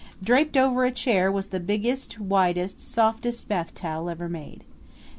Draped over a chair was the biggest, widest, softest bathtowel ever made.